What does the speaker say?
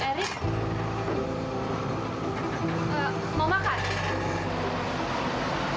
terima kasih pak